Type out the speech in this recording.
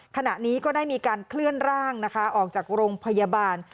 ขณะนี้ก็ได้มีการเคลื่อนร่างนะคะออกจากโรงพยาบาล